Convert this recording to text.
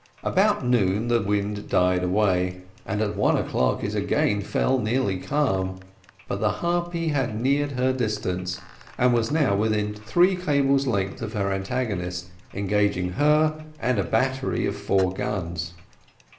About noon the wind died away, and at one o'clock it again fell nearly calm; but the Harpy had neared her distance, and was now within three cables' length of her antagonist, engaging her and a battery of four guns.